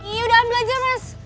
ya udah ambil aja mas